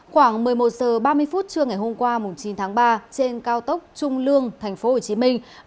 khoảng một mươi một h ba mươi trưa ngày hôm qua chín tháng ba trên cao tốc trung lương tp hcm